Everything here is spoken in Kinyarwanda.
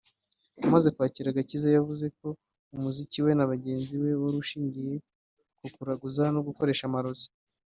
Amaze kwakira agakiza yavuze ko umuziki we na bagenzi be wari ushingiye ku kuraguza no gukoresha amarozi